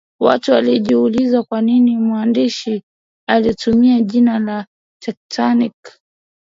watu walijiuliza kwa nini mwandishi alitumia jina la titanic